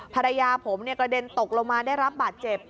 ภรรยาผมกระเด็นตกลงมาได้รับบาดเจ็บ